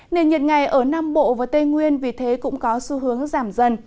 nền nhiệt ngày ở nam bộ và tây nguyên vì thế cũng có xu hướng giảm dần